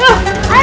woi sama si